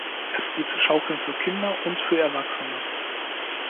Es gibt Schaukeln für Kinder und für Erwachsene.